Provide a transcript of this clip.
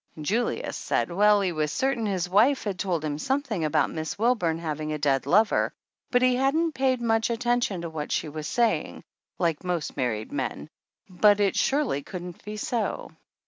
Julius said well he was certain his wife had told him something about Miss Wil burn having a dead lover, but he hadn't paid much attention to what she was saying, like most married men ; but it surely couldn't be so.